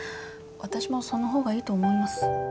私もその方がいいと思います。